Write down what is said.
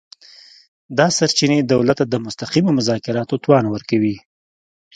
دا سرچینې دولت ته د مستقیمو مذاکراتو توان ورکوي